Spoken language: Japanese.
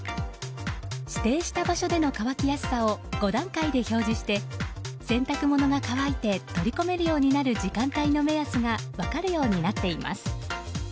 指定した場所での乾きやすさを５段階で表示して洗濯物が乾いて取り込めるようになる時間帯の目安が分かるようになっています。